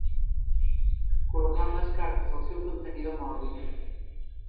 Col·locant les cartes al seu contenidor mòbil.